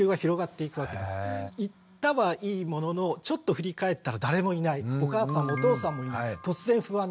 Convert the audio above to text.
行ったはいいもののちょっと振り返ったら誰もいないお母さんもお父さんもいない突然不安になる。